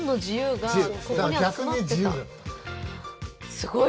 すごい。